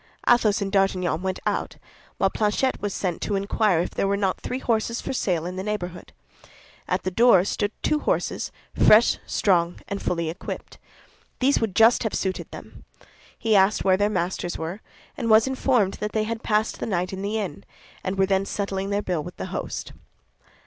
Athos and D'Artagnan went out, while Planchet was sent to inquire if there were not three horses for sale in the neighborhood. At the door stood two horses, fresh, strong, and fully equipped. These would just have suited them. He asked where their masters were, and was informed that they had passed the night in the inn, and were then settling their bill with the host.